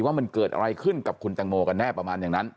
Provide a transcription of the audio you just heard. ว่ามันเกิดอะไรขึ้นกับคุณแตงโมกันแน่ประมาณอย่างนั้น